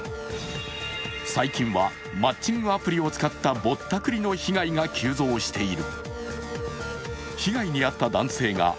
最近は、マッチングアプリを使ったぼったくりの被害が急増している。